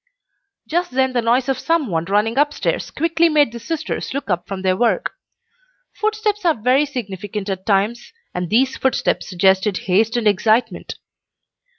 Just then the noise of some one running upstairs quickly made the sisters look up from their work. Footsteps are very significant at times, and these footsteps suggested haste and excitement.